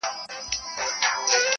• کيږي او ژورېږي,